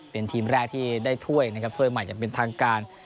เป็นทีมแรกที่ได้ถ้วยนะครับถ้วยใหม่อย่างเป็นทางการ